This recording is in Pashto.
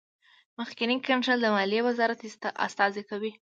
مخکینی کنټرول د مالیې وزارت استازی کوي.